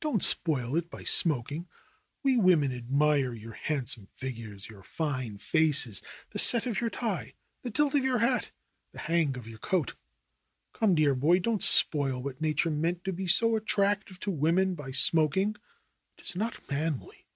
Don't spoil it by smoking. We women admire your handsome figures, your fine faces, the set of your tie, the tilt of your hat, the hang of your coat. Come, dear boy, don't spoil what nature meant to be so attractive to women by smoking. It is not manly."